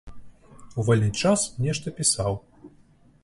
У вольны час нешта пісаў.